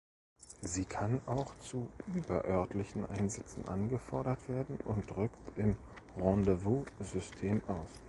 Sie kann auch zu überörtlichen Einsätzen angefordert werden und rückt im Rendezvous-System aus.